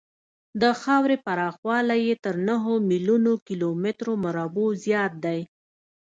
د خاورې پراخوالی یې تر نهو میلیونو کیلومترو مربعو زیات دی.